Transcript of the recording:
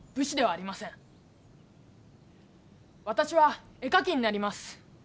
私は絵描きになります。